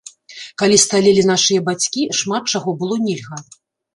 Калі сталелі нашыя бацькі, шмат чаго было нельга.